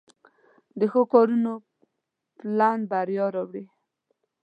د ښو کارونو پالن بریا راوړي.